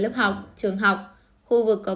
lớp học trường học khu vực có